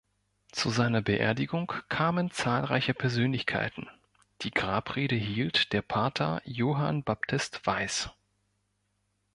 Zu seiner Beerdigung kamen zahlreiche Persönlichkeiten, die Grabrede hielt der Pater Johann Baptist Weiß.